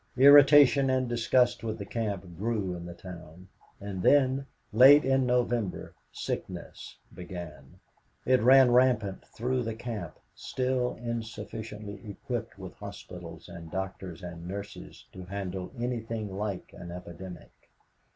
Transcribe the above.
Irritation and disgust with the camp grew in the town, and then, late in November, sickness began. It ran rampant through the camp, still insufficiently equipped with hospitals and doctors and nurses to handle anything like an epidemic.